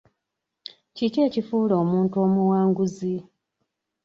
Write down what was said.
Kiki ekifuula omuntu omuwanguzi?